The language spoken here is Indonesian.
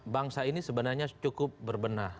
bangsa ini sebenarnya cukup berbenah